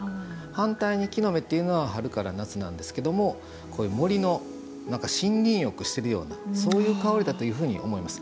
反対に木の芽っていうのは春から夏なんですけども森の森林浴をしているようなそういう香りだというふうに思います。